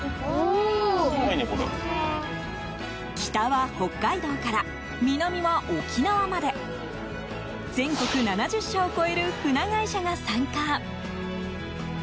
北は北海道から、南は沖縄まで全国７０社を超える船会社が参加。